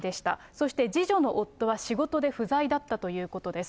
そして次女の夫は仕事で不在だったということです。